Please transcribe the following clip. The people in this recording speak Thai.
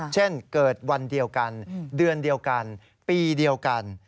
เช่นเกิดวันเดียวกันเดือนเดียวกันปีเดียวกัน